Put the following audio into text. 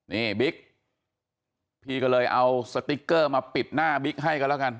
นี่บิ๊กพี่ก็เลยเอาสติ๊กเกอร์มาปิดหน้าบิ๊กให้กันแล้วกัน